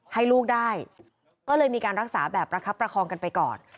ให้ลูกได้ก็เลยมีการรักษาแบบประคับประคองกันไปก่อน